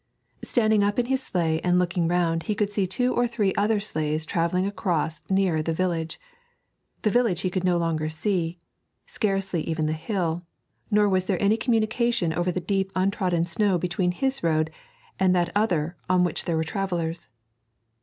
Standing up in his sleigh and looking round he could see two or three other sleighs travelling across nearer the village. The village he could no longer see, scarcely even the hill, nor was there any communication over the deep untrodden snow between his road and that other on which there were travellers.